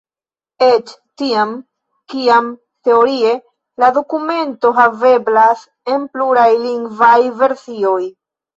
Eĉ tiam, kiam teorie la dokumento haveblas en pluraj lingvaj versioj.